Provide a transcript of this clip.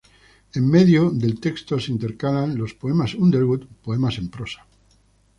En medio del texto se intercalan los "Poemas Underwood", poemas en prosa.